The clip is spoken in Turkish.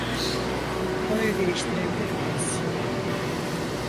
Konuyu değiştirebilir miyiz?